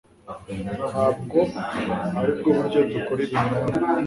Ntabwo aribwo buryo dukora ibintu hano